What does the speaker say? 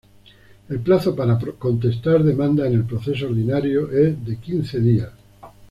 El plazo para contestar demanda en el proceso ordinario es de quince días.